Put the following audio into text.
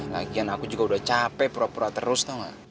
lagian aku juga udah capek pura pura terus atau enggak